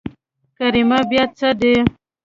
کريمه بيا څه دي.